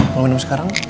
mau minum sekarang